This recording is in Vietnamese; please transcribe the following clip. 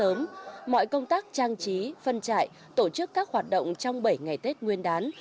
sớm mọi công tác trang trí phân trại tổ chức các hoạt động trong bảy ngày tết nguyên đán